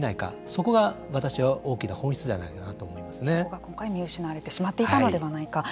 そこが私は大きな本質ではないかなとそこが見失われてしまっていたのではないか。